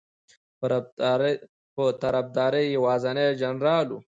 په طرفداری یوازینی جنرال ؤ